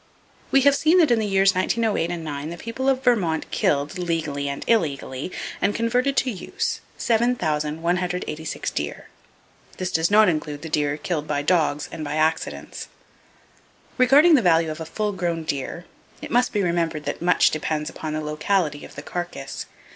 We have seen that in the years 1908 and 9, the people of Vermont killed, legally and illegally, and converted to use, 7,186 deer. This does not include the deer killed by dogs and by accidents. Regarding the value of a full grown deer, it must be remembered that much depends upon the locality of the carcass.